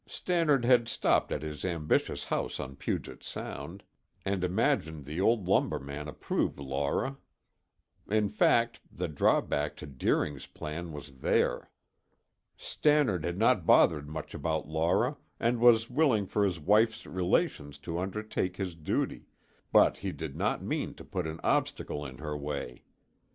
Stannard had stopped at his ambitious house on Puget Sound, and imagined the old lumber man approved Laura. In fact, the drawback to Deering's plan was there. Stannard had not bothered much about Laura and was willing for his wife's relations to undertake his duty, but he did not mean to put an obstacle in her way.